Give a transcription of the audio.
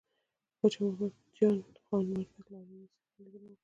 پاچا د محمد جان خان وردک له عالي لېسې څخه ليدنه وکړه .